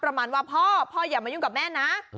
ประมาณว่าพ่อพ่ออย่ามายุ่งกับแม่นะ